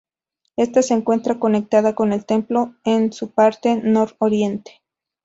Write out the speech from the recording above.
Ésta se encuentra conectada con el templo en su parte nor-oriente.